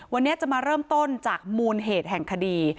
วันนี้จะมาเริ่มต้นจากมูลเหตุแห่งคดี